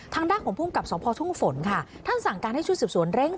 ทางด้านของภูมิกับสพทุ่งฝนค่ะท่านสั่งการให้ชุดสืบสวนเร่ง